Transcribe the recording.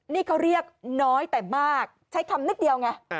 นี่เขาเรียกน้อยแต่มากใช้คำนิดเดียวไง